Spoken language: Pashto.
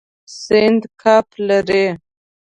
سیند کب لري.